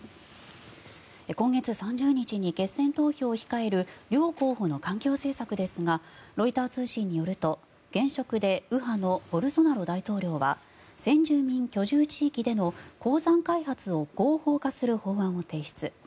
今月３０日に決選投票を控える両候補の環境政策ですがロイター通信によると現職で右派のボルソナロ大統領は先住民居住地域での鉱山開発を合法化する法案を提出。